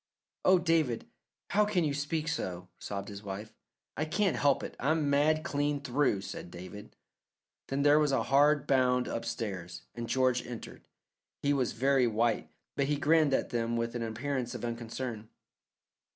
"Oh, David, how can you speak so?" sobbed his wife. "I can't help it. I'm mad clean through," said David. Then there was a hard bound upstairs, and George entered. He was very white, but he grinned at them with an appearance of unconcern.